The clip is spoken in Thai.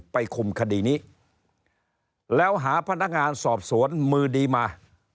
คุมคดีนี้แล้วหาพนักงานสอบสวนมือดีมา